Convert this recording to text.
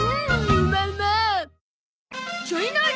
うまうま。